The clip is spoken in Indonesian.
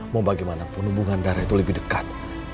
mau bagaimanapun hubungan darah itu lebih dekat